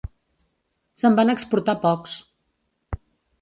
Se'n van exportar pocs.